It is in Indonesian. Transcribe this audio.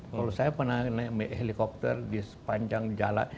kalau saya pernah naik helikopter di sepanjang jalan